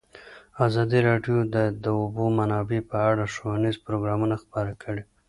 ازادي راډیو د د اوبو منابع په اړه ښوونیز پروګرامونه خپاره کړي.